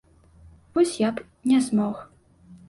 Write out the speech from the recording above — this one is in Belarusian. Вось я б не змог.